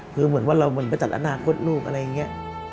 คือเหมือนว่าเราเหมือนไปจัดอนาคตลูกอะไรอย่างนี้